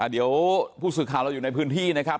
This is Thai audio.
เดี๋ยวผู้สื่อข่าวเราอยู่ในพื้นที่นะครับ